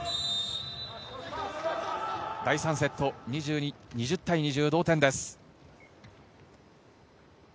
第３セット、２０対２０同点です。